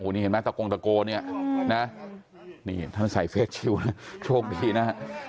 นี่เห็นไหมตะโกนี่ท่านใส่เฟสชิวโชคดีนะ